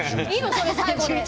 それ最後で。